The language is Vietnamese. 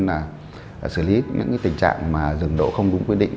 cũng như là xử lý những cái tình trạng mà rừng độ không đúng quyết định